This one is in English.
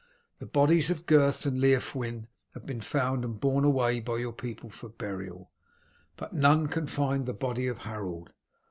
"The bodies of Gurth and Leofwin have been found and borne away by your people for burial, but none can find the body of Harold.